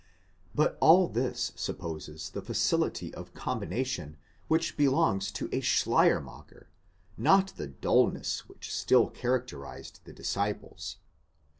But all this supposes the facility of combina tion which belongs to a Schleiermacher, not the dulness which still character ized the disciples.